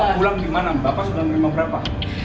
uang pulang dimana bapak sudah menerima berapa